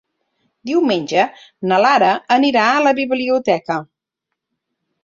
Diumenge na Lara anirà a la biblioteca.